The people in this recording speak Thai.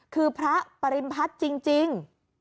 คือพระปริมพัฒน์จริง